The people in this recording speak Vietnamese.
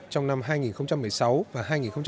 trong năm hai nghìn một mươi sáu và hai nghìn một mươi chín